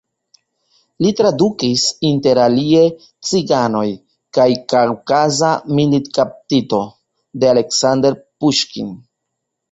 Li tradukis interalie: "Ciganoj" kaj "Kaŭkaza militkaptito" de Aleksandr Puŝkin.